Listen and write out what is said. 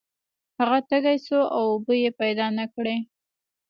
هغه تږی شو او اوبه یې پیدا نه کړې.